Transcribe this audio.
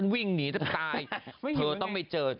วิ่งหนีตั้งตาย